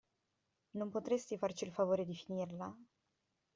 Non potresti farci il favore di finirla?